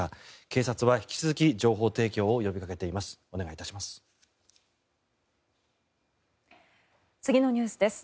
警察は引き続き情報提供を呼びかけています。